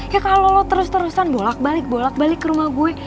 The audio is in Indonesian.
ya kalau lo terus terusan bolak balik bolak balik ke rumah gue